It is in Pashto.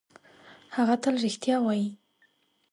هغه تل رښتیا وايي.